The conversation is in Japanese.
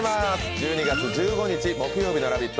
１２月１５日木曜日の「ラヴィット！」